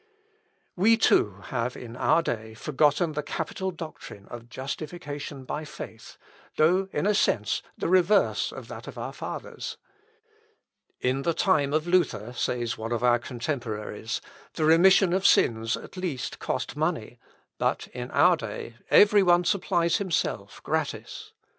Op. (W.) xxii, p. 1369.) We too have in our day forgotten the capital doctrine of justification by faith, though, in a sense, the reverse of that of our fathers. "In the time of Luther," says one of our contemporaries, "the remission of sins at least cost money, but in our day every one supplies himself gratis."